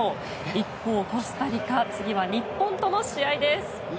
一方、コスタリカ次は日本との試合です。